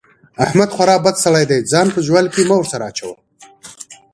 احمد خورا بد سړی دی؛ ځان په جوال کې مه ور سره اچوه.